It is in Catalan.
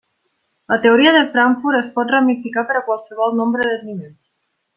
La teoria de Frankfurt es pot ramificar per a qualsevol nombre de nivells.